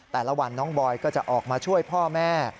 แต่ละวันน้องบอยก็จะออกมาช่วยพ่อแม่